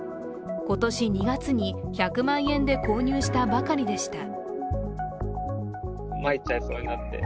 今年２月に１００万円で購入したばかりでした。